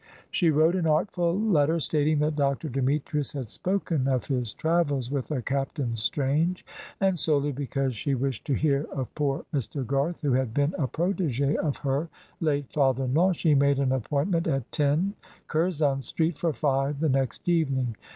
She wrote an artful letter, stating that Dr. Demetrius had spoken of his travels with a Captain Strange, and, solely because she wished to hear of poor Mr. Garth, who had been a protégé of her late father in law, she made an appointment at 10, Curzon Street, for five the next evening.